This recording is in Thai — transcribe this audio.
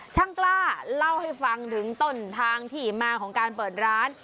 ช่างกล้าเล่าให้ฟังถึงต้นทางที่มาของการเปิดร้าน